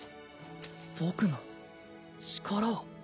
僕の力を。